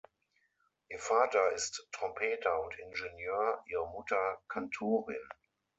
Ihr Vater ist Trompeter und Ingenieur; ihre Mutter Kantorin.